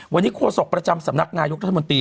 วันนี้โฆษกประจำสำนักนายกรัฐมนตรี